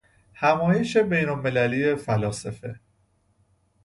همایش بینالمللی فلاسفه